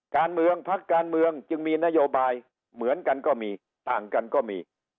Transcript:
การเมืองพักการเมืองจึงมีนโยบายเหมือนกันก็มีต่างกันก็มี